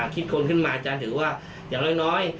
คิดคนขึ้นมาอาจารย์ถือว่าอย่างน้อย